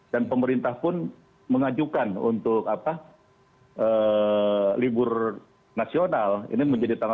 dan pemerintah pun mengajukan untuk libur nasional ini menjadi tanggal sembilan belas